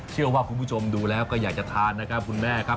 เชื่อว่าคุณผู้ชมดูแล้วก็อยากจะทานนะครับคุณแม่ครับ